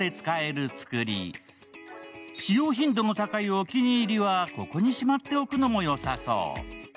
使用頻度の高いお気に入りはここにしまっておくのもよさそう。